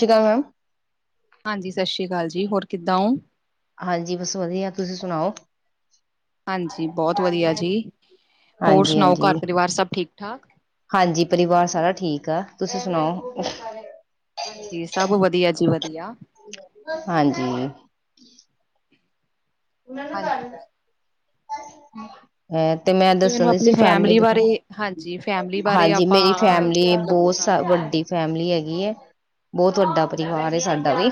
ਕਿਦਾ ਮੈਮ? ਹਾਂਜੀ ਸਤਿ ਸ੍ਰੀ ਅਕਾਲ ਜੀ ਹੋਰ ਕਿੱਦਾਂ ਔ? ਹਾਂਜੀ ਬਸ ਵਧੀਆ ਤੁਸੀਂ ਸੁਣਾਓ? ਹਾਂਜੀ ਬਹੁਤ ਵਧੀਆ ਜੀ। ਹੋਰ ਸੁਣਾਓ ਘਰ ਪਰਿਵਾਰ ਸਭ ਠੀਕ ਠਾਕ ਹਾਂਜੀ-ਹਾਂਜੀ-ਹਾਂਜੀ ਪਰਿਵਾਰ ਸਾਰਾ ਠੀਕ ਠੀਕ ਆ ਤੁਸੀਂ ਸੁਣਾਓ। ਹਾਂਜੀ ਸਭ ਵਧੀਆ ਜੀ ਵਧੀਆ। ਹਾਂਜੀ। ਉਹਨਾਂ ਦਾ ਘਰ ਹਾਂਜੀ ਹੁੰਦਾ। ਹੈ ਤੇ ਮੈਂ ਤੁਸੀਂ ਮੈਨੂੰ ਦੱਸਣ ਦੀ ਸੀ ਆਪਣੀ ਫੈਮਿਲੀ ਦੇ ਬ ਬਾਰੇ ਹਾਂਜੀ ਫੈਮਿਲੀ ਬਾਰੇ ਹਾਂਜੀ ਆਪਾਂ ਮੇਰੀ ਫੈਮਿਲੀ ਮਤਲਬ ਗੱਲ ਬਹੁਤ- ਕਰਦੇ ਵੱਡੀ ਹਾਂ ਫੈਮਿਲੀ ਹੈਗੀ ਐਂ। ਬਹੁਤ ਵੱਡਾ ਹਾਂਜੀ ਪਰਿਵਾਰ ਏ ਸਾਡਾ ਵੀ-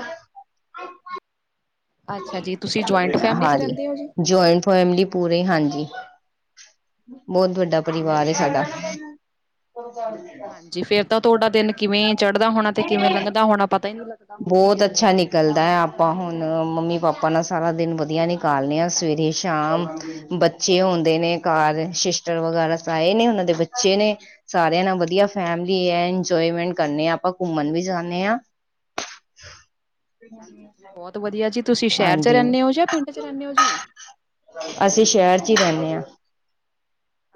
ਅੱਛਾ ਜੀ ਤੁਸੀਂ ਜੁਆਇੰਟ ਫੈਮਿਲੀ ਚ ਹਾਂਜੀ ਰਹਿੰਦੇ ਹੋ ਜੀ ਜੋਇੰਟ ਫੈਮਲੀ ਪੂਰੀ ਹਾਂਜੀ। ਬਹੁਤ ਵੱਡਾ ਪਰਿਵਾਰ ਏ ਸਾਡਾ। ਹਾਂਜੀ ਫੇਰ ਤਾਂ ਤੁਹਾਡਾ ਦਿਨ ਕਿਵੇਂ ਚੜ੍ਹਦਾ ਹੋਣਾ ਤੇ ਕਿਵੇਂ ਲੰਘਦਾ ਹੋਣਾ ਪਤਾ ਹੀ ਨਹੀਂ ਲੱਗਦਾ। ਹੋਣਾ ਬਹੁਤ ਅੱਛਾ ਨਿਕਲਦਾ ਹੈ ਆਪ ਹੁਣ ਮੰਮੀ ਪਾਪਾ ਨਾਲ ਸਾਰਾ ਦਿਨ ਵਧੀਆ ਨਿਕਾਲਣੇ ਆ ਸਵੇਰੇ ਸ਼ਾਮ ਬੱਚੇ ਹੁੰਦੇ ਨੇ ਘਰ ਸਿਸਟਰ ਵਗੈਰਾ ਸਏ ਨੇ ਉਹਨਾਂ ਦੇ ਬੱਚੇ ਨੇ ਸਾਰਿਆਂ ਨਾਲ ਵਧੀਆ ਫੈਮਿਲੀ ਏ- ਇੰਜੋਏਮੈਂਟ ਕਰਨੇ ਹਾਂ ਆਪਾਂ ਘੁੰਮਣ ਵੀ ਜਾਣੇ ਆ। ਅੱਛਾ ਜੀ ਬਹੁਤ ਵਧੀਆ ਜੀ। ਤੁਸੀਂ ਸ਼ਹਿਰ 'ਚ ਹਾਂਜੀ ਰਹਿੰਦੇ ਹੋ ਜਾਂ ਪਿੰਡ 'ਚ ਰਹਿੰਦੇ ਹੋ ਜੀ। ਦੇ ਆਾਂ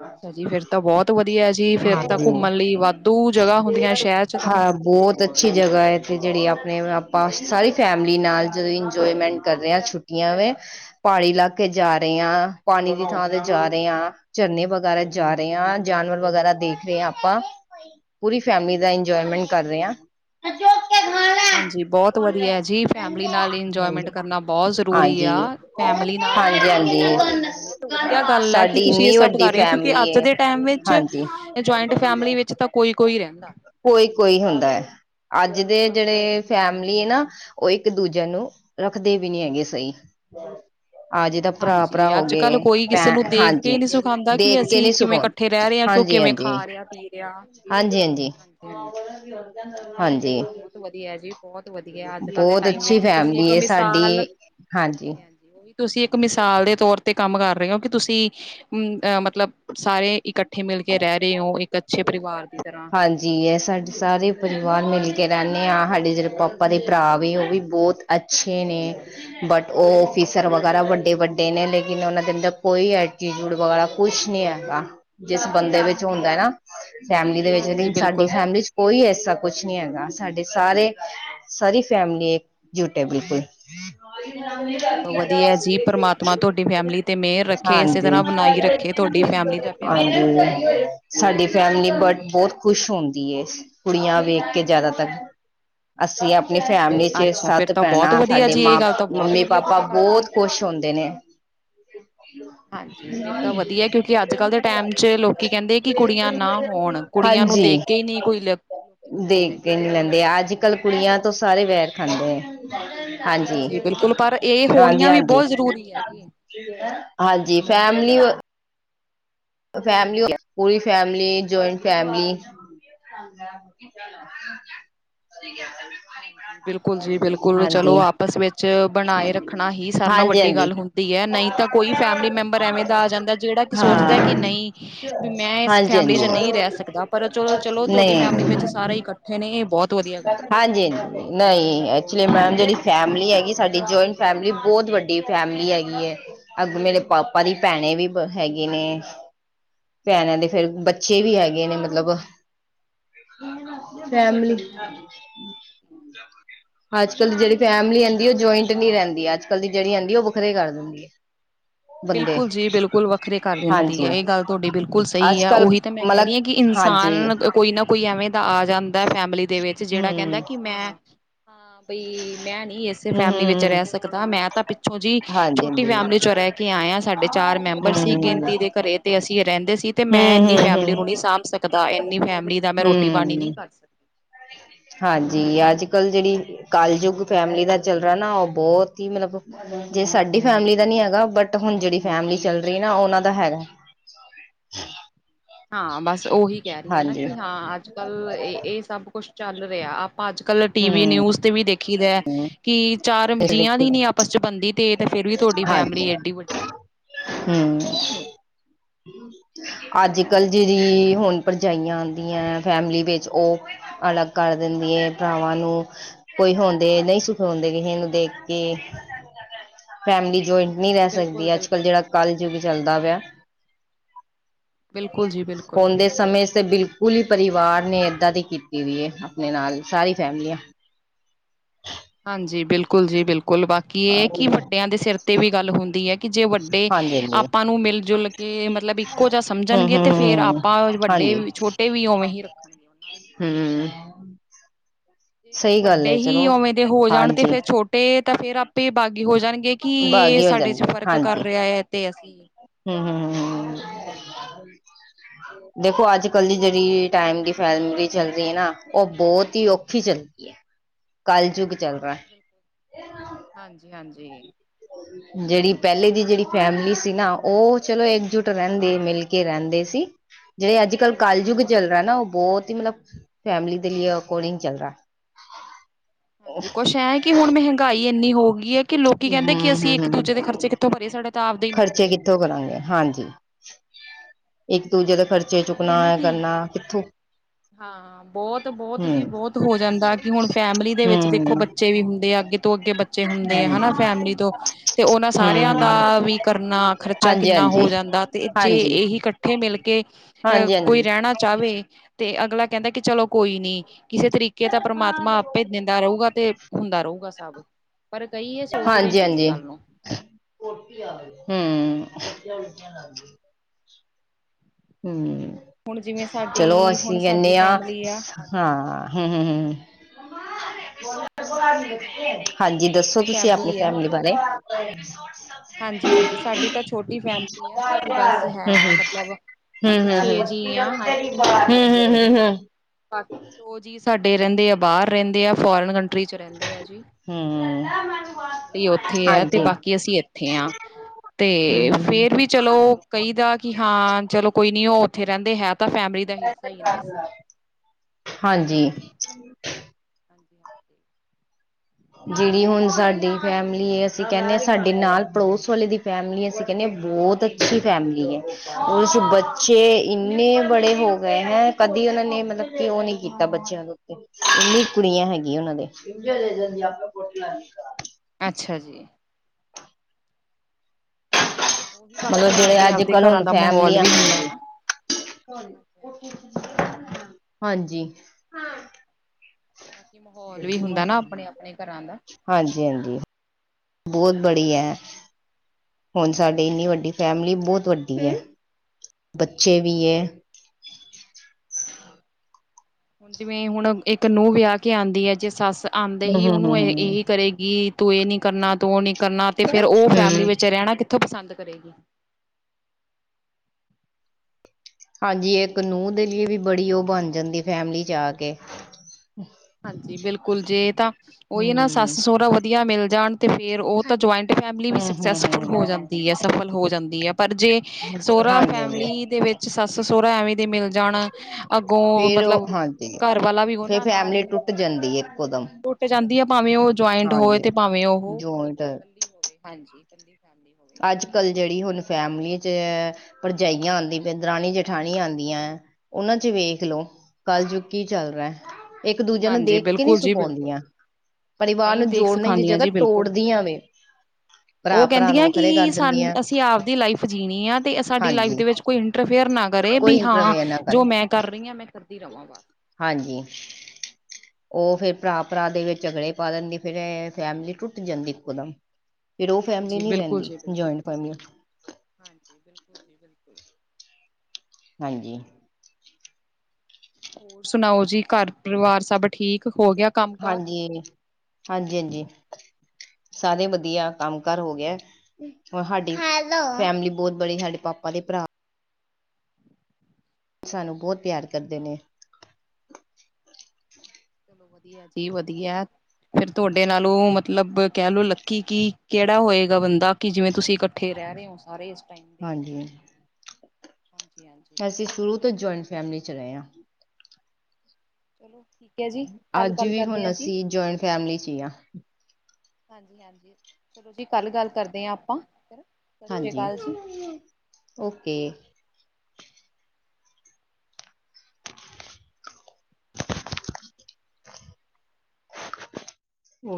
ਅੱਛਾ ਜੀ ਫੇਰ ਤਾਂ ਬਹੁਤ ਵਧੀਆ। ਜੀ ਫੇਰ ਤਾਂ ਹਾਂਜੀ ਘੁੰਮਣ ਲਈ ਵਾਧੂ ਜਗ੍ਹਾ ਹੁੰਦੀਆਂ ਸ਼ਹਿਰ ਚ ਤਾਂ ਹਾਂ ਬਹੁਤ ਅੱਛੀ ਜਗ੍ਹਾ ਇਥੇ ਜਿਹੜੀ ਆਪਣੇ ਆਪ ਆਪਾਂ ਸਾਰੀ ਫੈਮਿਲੀ ਨਾਲ ਜਦੋਂ ਇੰਜੋਏਮੈਂਟ ਕਰ ਰਹੇ ਹਾਂ ਛੁੱਟੀਆਂ ਵ ਪਹਾੜੀ ਇਲਾਕੇ ਜਾ ਰਹੇ- ਹਾਂ ਪਾਣੀ ਦੀ ਥਾਂ ਤੇ ਜਾ ਰਹੇ ਹਾਂ ਝਰਨੇ ਵਗੈਰਾ ਜਾ ਰਹੇ ਹਾਂ ਜਾਨਵਰ ਵਗੈਰਾ ਦੇਖ ਰਹੇ ਹ ਆਪਾਂ ਪੂਰੀ ਫੈਮਲੀ ਦਾ ਇੰਜੋਏਮੈਂਟ ਕਰ ਰਹੇ ਹਾ। [inaudible] ਹਾਂਜੀ ਬਹੁਤ ਵਧੀਆ ਜੀ ਫੈਮਿਲੀ ਨਾਲ ਇੰਜੋਏਮੈਂਟ ਹਾਂਜੀ ਕਰਨਾ ਬਹੁਤ ਜ਼ਰੂਰੀ ਆ ਹਾਂਜੀ ਫੈਮਿਲੀ ਨਾਲ- ਹਾਂਜੀ ਰਹਿਣਾ ਹਾਂਜੀ ਬਹੁਤ ਬਹੁਤ ਵਧੀਆ ਗੱਲ ਹੈ ਕਿ ਸਾਡੀ ਤੁਸੀਂ ਇਹ ਇੰਨੀ ਸਭ ਵੱਡੀ ਕਰ ਰਹੇ ਹੋ ਕਿਉਂਕਿ ਫੈਮਿਲੀ ਅੱਜ ਹੈ ਦੇ ਟਾਈਮ ਵਿੱਚ- ਹਾਂਜੀ ਇਹ ਜੁਆਇੰਟ ਫੈਮਿਲੀ ਵਿੱਚ ਤਾਂ ਕੋਈ-ਕੋਈ ਰਹਿੰਦਾ। ਕੋਈ-ਕੋਈ ਹੁੰਦਾ ਹੈ ਅੱਜ ਦੇ ਜਿਹੜੇ ਫੈਮ ਨਾ ਉਹ ਇੱਕ ਦੂਜੇ ਨੂੰ ਰੱਖਦੇ ਵੀ ਨੀ ਹੈਗੇ ਸਹੀ ਆ ਜਿਦਾ ਭਰਾ ਭਰਾ ਹਾਂਜੀ ਹੋ ਅੱਜ ਕੱਲ ਗਏ ਕੋਈ ਕਿਸੇ ਨੂੰ ਭੈਣ ਦੇਖ ਹਾਂਜੀ ਕੇ ਨਹੀਂ ਸਿਖਾਉਂਦਾ ਕਿ ਦੇਖ ਕੇ ਅਸੀਂ ਨੀ ਕਿਵੇਂ ਸਕੂਨ ਇਕੱਠੇ ਰਹਿ ਰਹੇ ਹਾਂ ਤ ਕਿਵੇਂ ਖਾ ਰਿਹਾ ਪੀ ਰਿਹਾ ਹਾਂਜੀ-ਹਾਂਜੀ! ਹਾਂਜੀ ਹਾਂਜੀ ਚਲੋ ਜੀ ਬਹੁਤ ਵਧੀਆ ਜੀ ਬਹੁਤ ਵਧਿਆ ਅੱਜ ਕਲ ਦੇ ਬਹੁਤ ਟਮ ਅੱਛੀ ਵਿਚ ਤੁਸੀਂ ਇੱਕ ਫੈਮਿਲੀ ਹੈ ਸਾਡੀ ਮਿਸਾਲ ਹਾਂਜੀ ਹਾਂਜੀ-ਹਾਂਜੀ ਉਹ ਤੁਸੀਂ ਇੱਕ ਮਿਸਾਲ ਦੇ ਤੌਰ ਤੇ ਕੰਮ ਕਰ ਰਹੇ ਹੋ ਕਿ ਤੁਸੀਂ ਅਹ ਮਤਲਬ ਸਾਰੇ ਇਕੱਠ ਕਿੱਠੇ ਮਿਲ ਕੇ ਰਹਿ ਰਹੇ ਹੋ ਇੱਕ- ਅੱਛੇ ਪਰਿਵਾਰ ਦੀ ਤਰ੍ਹਾਂ ਹਾਂਜੀ ਹੈ ਸਾਡੇ ਸਾਰੇ ਪਰਿਵਾਰ- ਬਾਹਰ ਮਿਲ ਕੇ ਰਹਿੰਣੇ ਹਾਂ ਸਾਡੇ ਜਿਹੜੇ ਪਾਪਾ ਦੇ ਭਰਾ ਵੇ ਉਹ ਵੀ ਬਹੁਤ ਅੱਛੇ ਨੇ ਬਟ ਉਹ ਔਫਿਸਰ ਵਗੇਰਾ ਵੱਡੇ ਵੱਡੇ ਨੇ ਲੇਕਿਨ ਉਹਨਾਂ ਦੇ ਅੰਦਰ ਕੋਈ ਐਟੀਟਿਊਡ ਵਗੈਰਾ ਕੁਛ ਨਹੀਂ ਹੈ ਜਿਸ ਬੰਦੇ ਵਿੱਚ ਹੁੰਦਾ ਨਾ ਫੈਮਲੀ ਦੇ ਵਿੱਚ ਹਾਂਜੀ ਲ ਸਾਡੀ ਬਿਲਕੁਲ ਫੈਮਿਲੀ ਚ ਕੋਈ ਇਸ ਕੁਛ ਨੀ ਹੈਗਾ ਸਾਡੇ ਸਾਰੇ ਸਾਰੀ ਫੈਮਿਲੀ ਜੁੱਟੇ ਬਿਲਕੁਲ ਚਲੋ ਵਧੀਆ ਜੀ ਪਰਮਾਤਮਾ ਤੁਹਾਡੀ ਫੈਮਿਲੀ ਤੇ ਮਿਹਰ ਰੱਖੇ ਇਸੇ ਹਾਂਜੀ ਤਰ੍ਹਾਂ ਬਣਾਈ ਰੱਖੇ ਤੁਹਾਡੀ ਫੈਮਿਲੀ ਦਾ ਪਿਆਰ ਹਾਂਜੀ ਸਾਡੇ ਫੈ ਹਾਂਜੀ ਬਟ ਹਾਂਜੀ ਬਹੁਤ ਖੁਸ਼ ਹੁੰਦੀ ਕੁੜੀਆਂ ਵੇਖ ਕੇ ਜਿਆਦਾਤਰ ਅਸੀਂ ਆਪ ਆਪਣੀ ਫੈਮਿਲੀ ਚ ਅੱਛਾ ਫਿਰ ਸੱਤ ਤਾਂ ਬਹੁਤ ਭੈਣਾਂ ਵਧੀਆ ਸਾਡੇ ਜੀ ਇਹ ਮਾ ਗੱਲ ਤਾਂ ਬਹੁਤ ਮੰਮੀ ਵਧੀਆ ਪਾਪਾ ਤੁਸੀਂ ਕਰਤੀ ਬਹੁਤ ਖੁਸ਼ ਹੁੰਦੇ ਨੇ ਹਾਂਜੀ ਫਿਰ ਤਾਂ ਵਧੀਆ ਕਿਉਂਕਿ ਅੱਜ ਕੱਲ੍ਹ ਦੇ ਟਾਈਮ ਚ ਲੋਕੀ ਕਹਿੰਦੇ ਕਿ ਕੁੜੀਆਂ ਨਾ ਹੋਣ ਕੁੜੀਆਂ ਨੂੰ ਦੇਖ ਹਾਂਜੀ ਕੇ ਹੀ ਨਹੀਂ ਕੋਈ ਕਰਦੇ ਦੇਖ ਹੈਗੇ ਕੇ ਨੀ ਲੈਂਦੇ ਅੱਜ ਕੱਲ ਕੁੜੀਆਂ ਤੋਂ ਸਾਰੇ ਵੈਰ ਖਾਂਦੇ ਆ ਹਾਂਜੀ ਬਿਲਕੁਲ ਪਰ ਇਹ ਹਾਂਜੀ ਹੋਣੀਆਂ ਵੀ ਹਾਂਜੀ ਬਹੁਤ ਜ਼ਰੂਰੀ ਹੈ ਜੀ। ਹਾਂਜੀ ਫੈਮਲੀ ਫੈਮਲੀ ਪੂਰੀ ਫੈਮਲੀ ਜਇੰਟ ਫੈਮਲੀ [unintelligible] ਹਾਂਜੀ ਬਿਲਕੁਲ ਜੀ ਹਾਂਜੀ, ਬਿਲਕੁਲ ਚਲੋ ਹਾਂਜੀ, ਆਪਸ ਵਿੱਚ ਬਣਾਏ ਰੱਖਣਾ ਹੀ ਸਾਰਿਆਂ ਨਾਲ ਵੱਡੀ ਹਾਂਜੀ ਗੱਲ ਹੁੰਦੀ ਹੈ ਨਹੀਂ ਤਾਂ ਕੋਈ ਫੈਮਿਲੀ ਮੈਂਬਰ ਐਵੇਂ ਦਾ ਆ ਜਾਂਦਾ ਜਿਹੜਾ ਕਿ ਸੋਚਦਾ ਹਾਂ। ਕਿ ਨਹੀਂ ਵੀ ਮੈਂ ਇਸ ਹਾਂਜੀ ਹਾਂਜੀ ਫੈਮਿਲੀ ਚ ਨਹੀਂ ਰਹਿ ਸਕਦਾ ਪਰ ਚਲੋ ਚਲੋ ਤੁਹਾਡੀ ਫੈਮਿਲੀ ਨਹੀਂ ਵਿੱਚ ਸਾਰੇ ਇਕੱਠੇ ਇਹ ਬਹੁਤ ਵਧੀਆ ਗੱਲ ਹੈ। ਹਾਂਜੀ ਨਹੀਂ ਐਕਚੁਲੀ ਮੈਮ ਜਿਹੜੀ ਫੈਮਿਲੀ ਹੈਗੀ ਸਾਡੀ ਜੋਇੰਟ ਫੈਮਲੀ ਬਹੁਤ ਵੱਡੀ ਫੈਮਿਲੀ ਹੈਗੀ ਹੈ ਅੱਗ ਮੇਰੇ ਪਾਪਾ ਦੀ ਭੈਣੇ ਵੀ ਹੈਗੇ ਨੇ ਭੈਣਾਂ ਦੇ ਫੇਰ ਬੱਚੇ ਵੀ ਹੈਗੇ ਨੇ ਮਤਲਬ ਠੀਕ ਹੈ ਫੈਮਲੀ ਜੀ ਠੀਕ ਹੈ ਵਧੀਆ ਅੱਜ ਕਲ ਦੀ ਜਿਹੜੀ ਫੈਮਲੀ ਆਂਦੀ ਉਹ ਜੋਇੰਟ ਨੀ ਰਹਿੰਦੀ ਅੱਜ ਕਲ ਦੀ ਜਿਹੜੀ ਆਂਦੀ ਉਹ ਵੱਖਰੇ ਕਰ ਦਿੰਦੀ ਹੈ ਬੰਦੇ ਬਿਲਕੁਲ ਜੀ ਬਿਲਕੁਲ ਵੱਖਰੇ ਕਰ ਦਿੰਦੀ ਹੈ ਹਾਂਜੀ ਇਹ ਗੱਲ ਤੁਹਾਡੀ ਬਿਲਕੁਲ ਸਹੀ ਅੱਜ ਹੈ ਕੱਲ ਉਹੀ ਤਾਂ ਮੈਂ ਕਹਿ ਰਹੀ ਮਤਲਬ ਹਾਂ ਕਿ ਹਾਂਜੀ ਇਨਸਾਨ ਕੋਈ ਨਾ ਕੋਈ ਐਵੇਂ ਦਾ ਆ ਜਾਂਦਾ ਫੈਮਿਲੀ ਦੇ ਵਿੱਚ ਜਿਹੜਾ ਹਮ ਕਹਿੰਦਾ ਕਿ ਮੈਂ ਹਾਂ ਬਈ ਮੈਂ ਨੀ ਇਸੇ ਹਮ ਫੈਮਿਲੀ ਵਿੱਚ ਹਮ ਰਹਿ ਸਕਦਾ ਮੈਂ ਤਾਂ ਪਿੱਛੋਂ ਜੀ ਹਾਂਜੀ ਛੋਟੀ ਹਾਂਜੀ ਫੈਮਿਲੀ ਚੋਂ ਰਹਿ ਕੇ ਆਇ ਸਾਡੇ ਚਾਰ ਮੈਂਬਰ ਸੀ ਹਮ ਗਿਣਤੀ ਦੇ ਘਰੇ ਤੇ ਅਸੀਂ ਰਹਿੰਦੇ ਸੀ ਤੇ ਮੈਂ ਹਮ ਇੰਨੀ ਹਮ ਫੈਮਲੀ ਹਮ ਨੂੰ ਨਹੀਂ ਸਾਂਭ ਸਕਦਾ ਇੰਨੀ ਫੈਮਿਲੀ ਦਾ ਮੈਂ ਰੋਟੀ ਪਾਣੀ ਹੂੰ ਨਹੀਂ ਕਰ ਸਕਦੀ ਹਾਂਜੀ ਅੱਜ ਅੱਜ ਕੱਲ ਜਿਹੜੀ ਕਾਲਯੁਗ ਫੈਮਿਲੀ ਦਾ ਚੱਲ ਰਿਹਾ ਨਾ ਉਹ ਬਹੁਤ ਹੀ ਮਤਲਬ ਜੇ ਸਾਡੀ ਫੈਮਿਲੀ ਦਾ ਨ ਨਹੀਂ ਹੈਗਾ ਬਟ ਹੁਣ ਜਿਹੜੀ ਫੈਮਿਲੀ ਚੱਲ ਰਹੀ ਨਾ ਉਹਨਾਂ ਦਾ ਹੈਗਾ ਹਾਂ ਬਸ ਉਹੀ ਕਹਿ ਰਹੀ ਹ ਨਾ ਹਾਂਜੀ ਕਿ ਹਾਂ ਅੱਜ ਕੱਲ ਇਹ ਇਹ ਸਭ ਕੁਛ ਚੱਲ ਰਿਹਾ ਅੱਜ ਕੱਲ ਟੀ ਵੀ ਹੂੰ ਨਿਊਜ਼ ਤੇ ਵੀ ਦੇਖੀ ਦਾ ਕਿ ਚਾਰ ਜੀਆਂ ਦੀ ਨੀ ਆਪਸ ਚ ਬੰਦੀ ਤੇ ਤੇ ਫਿਰ ਵੀ ਤੁਹਾਡੀ ਫੈਮਿਲੀ ਹਾਂਜੀ ਏਡੀ ਵੱਡੀ ਆ ਹੂੰ ਹ ਅੱਜ ਕੱਲ੍ਹ ਜਿਹੜੀ ਹੁਣ ਭਰਜਾਈਆਂ ਆਉਂਦੀਆਂ ਫੈਮਲੀ ਵਿੱਚ ਉਹ ਅਲੱਗ ਕਰ ਦਿੰਦੀ ਹੈ ਭਰਾਵਾਂ ਨੂੰ ਕੋਈ ਹੁੰਦੇ ਨਹੀਂ ਸੁਖ ਹੁੰਦੇ ਕਿਸੇ ਨੂੰ ਦੇਖ ਕੇ ਕੀਚ ਫੈਮਿਲੀ ਜੁਆਇੰਟ ਨਹੀਂ ਰਹਿ ਸਕਦੀ ਅੱਜ ਕਲ੍ਹ ਜਿਹੜਾ ਕੱਲ ਯੁੱਗ ਚੱਲਦਾ ਵਾ ਬਿਲਕੁਲ ਜੀ ਬਿਲਕੁਲ ਹੁਨ ਦੇ ਸਮੇਂ ਸ ਬਿਲਕੁਲ ਹੀ ਪਰਿਵਾਰ ਨੇ ਏਦਾਂ ਦੀ ਕੀਤੀ ਦੀ ਹੈ ਆਪਣੇ ਨਾਲ ਸਾਰੀ ਫੈਮਲੀਆਂ। ਹਾਂਜੀ ਬਿਲਕੁਲ ਜੀ ਬਿਲਕੁਲ ਬਾਕੀ ਇਹ ਕਿ ਹਾਂਜੀ ਵੱਡਿਆਂ ਦੇ ਸਿਰ ਤੇ ਵੀ ਗੱਲ ਹੁੰਦੀ ਹੈ ਕਿ ਜੇ ਵੱਡੇ ਹਾਂਜੀ ਹਾਂਜੀ ਆਪਾਂ ਨੂੰ ਮਿਲ ਜੁਲ ਕੇ ਮਤਲਬ ਇੱਕੋ ਜਿਹਾ ਹਮ ਸਮਝਣਗੇ ਤੇ ਹਮ ਫੇਰ ਹਮ ਆਪਾਂ ਵੱਡ ਭੇ ਵੀ ਛੋਟੇ ਵੀ ਉਵੇਂ ਹੀ ਰੱਖਣਗੇ। ਉਹਨਾਂ ਨੂੰ ਹੁੰ ਜੇ ਹੁਨ ਵੱਡੇ ਹੀ ਉਵੇਂ ਦੇ ਹੋ ਜਾਣ ਤੇ ਹਾਂਜੀ ਫੇਰ ਛੋਟੇ ਤਾਂ ਫੇਰ ਆਪੇ ਬਾਗੀ ਹੋ ਜਾਣਗੇ। ਕਿ ਹੈ ਕਿ ਬਾਗੀ ਹੋ ਸਾਡੇ ਚ ਜਾਂਦੇ ਫ਼ਰਕ ਕਰ ਹਾਂਜੀ ਰਿਹਾ ਹੈ ਤੇ ਅਸੀਂ ਕਿਵੇਂ ਰਹੀਏ ਫੇਰ ਹੈਲੋ। ਦੇਖੋ ਅੱਜ ਕੱਲ੍ਹ ਦੀ ਜਿਹੜੀ ਟਾਈਮ ਦੀ ਫੈਮਲੀ ਚੱਲਦੀ ਹੈ ਨਾ ਉਹ ਬਹੁਤ ਹੀ ਔਖੀ ਚੱਲਦੀ ਐ। ਕਾਲਜੂਗਂ ਬਿਲਕੁਲ, ਹਾਂਜੀ-ਹਾਂਜੀ। ਜਿਹੜੀ ਪਹਿਲੇ ਦੀ ਜਿਹੜੀ ਫੈਮਿਲੀ ਸੀ ਨਾ ਉਹ ਚਲੋ ਇੱਕਜੁੱਟ ਰਹਿੰਦੇ ਮਿਲ ਕੇ ਰਹਿੰਦੇ ਸੀ। ਜਿਹੜੇ ਅੱਜ ਕੱਲ੍ਹ ਕੱਲਯੁਗ ਚੱਲ ਰਿਹਾ ਨਾ ਉਹ ਬਹੁਤ ਹੀ ਮਤਲਬ ਫੈਮਿਲੀ ਦੇ ਲਈ ਅਕੋਰਡਿੰਗ ਚੱਲ ਰਿਹਾ। ਹਾਂਜੀ, ਕੁਛ ਐਂ ਕਿ ਹੁਣ ਮਹਿੰਗਾਈ ਇੰਨੀ ਹੋ ਗਈ ਏ। ਕਿ ਲੋਕੀ ਕਹਿੰਦੇ ਕਿ ਹਮ ਅਸੀਂ ਹਮ ਇੱਕ ਦੂਜੇ ਦੇ ਹਮ ਖਰਚੇ ਕਿੱਥੋਂ ਭਰਿਏ ਸਾਡੇ ਤਾਂ ਆਪਦੇ ਹੀ ਨਹੀਂ ਖਰਚੇ ਪੂਰੇ ਹੁੰਦੇ। ਕਿੱਥੋਂ [inaudible] ਕਰਾਂਗੇ ਹਾਂਜੀ ਇੱਕ ਦੂਜੇ ਦਾ ਖਰਚੇ ਚੁੱਕਣਾ ਉਹੀ ਹੈ ਨਾ ਕਰਨਾ ਏਹ ਕਿ ਕਰਨਾ ਕਿੱਥੋ ਹਾਂ ਬਹੁਤ-ਬਹੁਤ ਜੀ ਬਹੁਤ ਹੋ ਜਾਂਦਾ ਕਿ ਹੁਣ ਫੈਮਿਲੀ ਦੇ ਵਿੱਚ ਦੇਖੋ ਹਮ ਬੱਚੇ ਵੀ ਹੁੰਦੇ ਤੋ ਅੱਗੇ ਬੱਚੇ ਹੁੰਦੇ ਆ ਹਨਾ ਹਮ ਫੈਮਲੀ ਤੋਂ ਤੇ ਉਹਨਾਂ ਸਾਰਿਆਂ ਦਾ ਹਮ ਵੀ ਕਰਨਾ ਖਰਚਾ ਹਾਂਜੀ ਕਿੰਨਾ ਹਾਂਜੀ ਹੋ ਜਾਂਦਾ ਤੇ ਜੇ ਹਾਂਜੀ ਇਹੀ ਇਕੱਠੇ ਮਿਲ ਕੇ ਹਾਂਜੀ ਕੋਈ ਹਾਂਜੀ ਰਹਿਣਾ ਚਾਹਵੇ ਤੇ ਅਗਲਾ ਕਹਿੰਦਾ ਕਿ ਚਲੋ ਕੋਈ ਨੀ ਕਿਸੇ ਤਰੀਕੇ ਦਾ ਪਰਮਾਤਮਾ ਆਪੇ ਦਿੰਦਾ ਰਹੁਗਾ ਤੇ ਹੁੰਦਾ ਰਹੁਗਾ ਸਭ ਪਰ ਕਈ ਇਹ ਸੋਚਦੇ ਨੀ ਇਸ ਹਾਂਜੀ-ਹਾਂਜੀ, ਗੱਲ ਨੂੰ ਹਮ। [unintelligible] ਹੁੰ ਹੁਣ ਜਿਵੇਂ ਚਲੋ ਸਾਡੀ ਹੁਣ ਅਸੀਂ ਸਾਡੀ ਕਹਿੰਦੇ ਹਾਂ, ਫੈਮਿਲੀ ਆ ਹਾਂਜੀ ਹਾਂਜੀ ਹਾਂ ਹਮ-ਹਮ-ਹਮ ਹੁਣ ਸਾਡੀ ਤਾਂ [unintelligible] ਹਾਂਜੀ ਦੱਸੋ ਛੋਟੀ ਤੁਸੀਂ ਆਪਣੀ ਫੈਮਿਲੀ ਆ ਫੈਮਲੀ ਬਾਰੇ ਹਾਂਜੀ-ਹਾਂਜੀ ਸਾਡੀ ਤਾਂ ਛੋਟੀ ਫੈਮਿਲੀ ਆ ਅਸੀਂ ਬਸ ਹੂੰ ਹੈ, ਹੂੰ ਮਤਲਬ ਅਸੀਂ ਹੂੰ ਛੇ ਹੂੰ ਜੀ ਹਾਂ ਹਾਂਜੀ ਫੈਮਲੀ ਹੂੰ ਵਿੱਚ ਹੂੰ ਹੂੰ ਤੇ ਹੂੰ ਬਾਕੀ ਦੋ ਜੀ ਸਾਡੇ ਰਹਿੰਦੇ ਆ ਬਾਹਰ ਰਹਿੰਦੇ ਆ ਫੋਰਨ ਕੰਟਰੀ ਚ ਰਹਿੰਦੇ ਆ ਜੀ। ਉਹਨਾਂ ਦੀ ਫੈਮਿਲੀ ਉੱਥੇ ਐ, ਤੇ ਹਾਂਜੀ ਬਾਕੀ ਅਸੀਂ ਇੱਥੇ ਆ। ਤੇ ਹੂੰ ਹੂੰ ਹੂੰ ਫੇਰ ਵੀ ਚਲੋ ਕਈ ਦਾ ਕਿ ਹਾਂ ਚਲੋ ਕੋਈ ਨੀ ਉਹ ਉੱਥੇ ਰਹਿੰਦੇ ਹੈ। ਤਾਂ ਫੈਮਿਲੀ ਦਾ ਹਿੱਸਾ ਹੀ ਨਾ ਇਸ। ਹਾਂਜੀ। ਹਾਂਜੀ ਹਾਂਜੀ। ਜਿਹੜੀ ਹੁਣ ਸਾਡੀ ਫੈਮਿਲੀ ਏ ਅਸੀਂ ਕਹਿੰਦੇ ਹਾਂ, ਸਾਡੇ ਨਾਲ ਪੜੋਸ ਵਾਲੇ ਦੀ ਫੈਮਿਲੀ ਅਸੀਂ ਕਹਿਣੇ ਬਹੁਤ ਅੱਛੀ ਫੈਮਲੀ ਐ, ਉਸ ਬੱਚੇ ਇੰਨੇ ਵੜੇ ਹੋ ਗਏ ਹੈ ਕਦ ਕਦੀ ਉਹਨਾਂ ਨੇ ਮਤਲਬ ਕਿ ਉਹ ਨੀ ਕੀਤਾ ਬੱਚਿਆਂ ਦੇ ਉੱਤੇ ਇੰਨੀ ਕੁੜੀਆਂ ਹੈਗੀ ਉਹਣਾ ਦੇ। ਪੰਜ [unintelligible] ਅੱਛਾ ਜੀ। ਉਹੀ ਮਤਲਬ ਬਾਕੀ ਜਿੜੇ ਅੱਜ ਆਪਦੇ-ਆਪਦੇ ਕੱਲ ਘਰਾਂ ਹੁਣ ਦਾ ਮਾਹੌਲ ਫੈਮਲੀਆ ਵੀ ਹੁੰਦਾ ਨਾ। ਹਾਂਜੀ-ਹਾਂਜੀ ਹਾਂਜੀ। ਬਾਕੀ ਮਾਹੌਲ ਵੀ ਹੁੰਦਾ ਨਾ ਆਪਣੇ-ਆਪਣੇ ਘਰਾਂ ਦਾ ਹਾਂਜੀ-ਹਾਂਜੀ। ਬਹੁਤ ਹਾਂਜੀ-ਹਾਂਜੀ। ਬੜੀ ਏ। ਹੁਣ ਸਾਡੀ ਇੰਨੀ ਵੱਡੀ ਫੈਮਿਲੀ ਬਹੁਤ ਵੱਡੀ ਏ। ਬੱਚੇ ਵੀ ਏ। ਹੁਣ ਜਿਵੇਂ ਹੁਣ ਇੱਕ ਨੂੰਹ ਵਿਆਹ ਕੇ ਆਦੀ ਹੈ ਜੇ ਸੱਸ ਆਦੇ ਹੂੰ ਹੀ ਹੂੰ ਉਹਨੂੰ ਹੂੰ ਹੂੰ ਇਹ ਕਰੇਗੀ ਤੂੰ ਇਹ ਨੀ ਕਰਨਾ ਤੂੰ ਉਹ ਨੀ ਕਰਨਾ ਤੇ ਫੇਰ ਉਹ ਫੈਮਿਲੀ ਹੂੰ ਵਿੱਚ ਰਹਿਣਾ ਕਿੱਥੋਂ ਪਸੰਦ ਕਰੇਗੀ। ਹਾਂਜੀ, ਇੱਕ ਨੂੰਹ ਦੇ ਲਈ ਵੀ ਬੜੀ ਉਹ ਬਣ ਜਾਂਦੀ ਫੈਮਲੀ ਚ ਆ ਕੇ। ਹਾਂਜੀ, ਬਿਲਕੁਲ ਜੇ ਤਾਂ ਉਹੀ ਹੂੰ ਨਾ ਸੱਸ ਸਹੁਰਾ ਵਧੀਆ ਮਿਲ ਜਾਣ। ਅਤੇ ਫਿਰ ਉਹ ਤਾਂ ਜੁਆਇੰਟ ਫੈਮਿਲੀ ਵੀ ਹੂੰ ਹੂੰ ਸਕਸੈਸਫੁੱਲ ਹੂੰ ਹੋ ਜਾਂਦੀ ਏ, ਸਫਲ ਹੋ ਜਾਂਦੀ ਐ। ਪਰ ਜੇ ਸਹੁਰਾ ਹਾਂਜੀ ਹਾਂਜੀ ਫੈਮਲੀ ਦੇ ਵਿੱਚ ਸੱਸ ਸਹੁਰਾ ਐਵੇਂ ਦੇ ਮਿਲ ਜਾਣ ਅੱਗੋਂ ਤੇ ਉਹ ਮਤਲਬ ਹਾਂਜੀ। ਘਰ ਵਾਲਾ ਵੀ ਫਿਰ ਉਹਨਾਂ ਨਾਲ ਫੈਮਿਲੀ ਟੁੱਟ ਹੋਵੇ ਜਾਂਦੀ ਐ। ਟੁੱਟ ਜਾਂਦੀ ਆ ਭਾਵੇਂ ਉਹ ਜੁਆਇੰਟ ਹੋਵੇ ਹਾਂਜੀ ਤੇ ਭਾਵੇਂ ਉਹੀ ਹੋਵੇ ਹਾਂਜੀ, ਫੈਮਿਲੀ ਹੋਵੇ ਛੋਟੀ ਅੱਜ-ਕੱਲ ਹੋਵੇ ਜਿਹੜੀ ਹੁਣ ਫੈਮਲੀ, ਭਰਜਾਈਆਂ ਆਦੀਆ ਦਰਾਣੀ ਜਠਾਣੀ ਆਦੀਆਂ ਉਹਨਾਂ ਚ ਵੇਖ ਲੋ ਜੋ ਕੀ ਚੱਲ ਰਿਹਾ ਇੱਕ ਦੂਜੇ ਨੂੰ ਹਾਂਜੀ ਦੇਖ ਕੇ ਨਹੀ ਬਿਲਕੁਲ ਜੀ ਬਿਲਕੁਲ ਸਕਦੀਆਂ। ਪਰਿਵਾਰ ਨਹੀਂ ਨੂੰ ਦੇਖ ਜੋੜਨ ਦੀ ਸਿਖਾਉਂਦੀਆਂ ਜਗ੍ਹਾ ਜੀ ਬਿਲਕੁਲ ਤੋੜਦੀਆਂ ਨੇ ਉਹ ਭਰਾ-ਭਰਾ ਨੂੰ ਕਹਿੰਦੀਆਂ ਵੱਖਰੇ ਕਰ ਕਿ ਸਾਨ ਦਿੰਦੀਆਂ ਅਸੀਂ ਆਪ ਦੀ ਲਾਈਫ ਜੀਣੀ ਆ ਅਤੇ ਸਾਡੀ ਲਾਈਫ ਹਾਂਜੀ ਦੇ ਵਿੱਚ ਕੋਈ ਇੰਟਰਫੇਅਰ ਨਾ ਕਰੇ ਵੀ ਕੋਈ ਹਾਂ ਪ੍ਰਵੇਰ ਨਾ ਜੋ ਕਰੇ ਮੈਂ ਕਰ ਰਹੀ ਹਾਂ ਮੈਂ ਕਰ ਰਹੀ ਆ, ਹਾਂਜੀ, ਉਹ ਫੇਰ ਭਰਾ-ਭਰਾ ਦੇ ਵਿੱਚ ਝਗੜੇ ਪਾ ਦਿੰਦੀ ਫਿਰ ਫੈਮਿਲੀ ਟੁੱਟ ਜਾਂਦੀ ਇੱਕ ਦਮ ਫਿਰ ਉਹ ਫੈਮਲੀ ਹਾਂਜੀ ਨਹੀਂ ਬਿਲਕੁਲ ਰਹਿੰਦੀ ਜੀ ਬਿਲਕੁਲ ਜੁਆਇੰਟ ਫੈਮਲੀ, ਹਾਂਜੀ ਬਿਲਕੁਲ ਜੀ ਬਿਲਕੁਲ, ਹਾਂਜੀ, ਹੋਰ ਸੁਣਾਓ ਜੀ ਘਰ ਪਰਿਵਾਰ ਸਭ ਠੀਕ, ਹੋ ਗਿਆ ਕੰਮ ਕਾਰ ਹਾਂਜੀ-ਹਾਂਜੀ-ਹਾਂਜੀ, ਸਾਰੇ ਵਧੀਆ ਕੰਮ ਕਾਰ ਹੋ ਗਿਆ। ਰ ਸਾਡੀ ਫੈਮਿਲੀ ਬਹੁਤ ਬੜੀ ਸਾਡੇ ਪਾਪਾ ਦੇ ਭਰਾ, ਸਾਨੂੰ ਬਹੁਤ ਪਿਆਰ ਕਰਦੇ ਨੇ, ਚਲੋ ਵਧੀਆ ਜੀ ਵਧੀਆ, ਫਿਰ ਤੁਹਾਡੇ ਨਾਲੋਂ ਮਤਲਬ ਕਹਿ ਲਓ ਲੱਕੀ ਕੀ ਕਿਹੜਾ ਹੋਏਗਾ ਬੰਦਾ ਕਿ ਜਿਵੇਂ ਤੁਸੀਂ ਇਕੱਠੇ ਰਹਿ ਰਹੇ ਹੋ ਸਾਰੇ, ਟਾਈਮ ਦੇ ਵਿੱਚ ਹਾਂਜੀ ਵੀ ਹਾਂਜੀ ਹਾਂਜੀ ਅਸੀਂ ਸ਼ੁਰੂ ਤੋਂ ਜੁਆਇੰਟ, ਫੈਮਲੀ ਚ ਰਹੇ ਆ, ਚਲੋ, ਠੀਕ ਹੈ ਜੀ ਕੱਲ ਅੱਜ ਗੱਲ ਵੀ ਕਰਦੇ ਹੁਣ ਹਾਂ ਜੀ ਅਸੀਂ ਜੁਆਇੰਟ ਫੈਮਿਲੀ ਚ ਹੀ ਹਾਂ, ਹਾਂਜੀ-ਹਾਂਜੀ ਚਲੋ ਜੀ ਕੱਲ ਗੱਲ ਕਰਦੇ ਹਾਂ ਆਪਾਂ, ਸਤਿ ਸ੍ਰੀ ਹਾਂਜੀ ਅਕਾਲ ਜੀ, ਓਕੇ